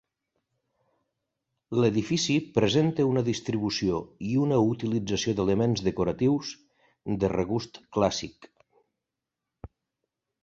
L'edifici presenta una distribució i una utilització d'elements decoratius de regust clàssic.